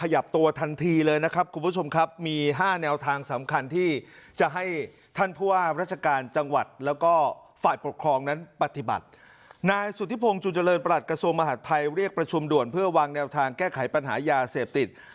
อย่าให้พวกพูดอย่างเดียวเป็นประเด็น